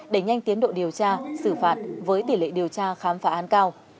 để nhanh tiến độ điều tra xử phạt với tỷ lệ điều tra khám phá an cao